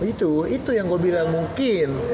oh gitu itu yang gua bilang mungkin